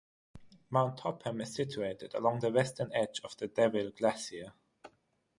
Mount Topham is situated along the western edge of the Deville Glacier.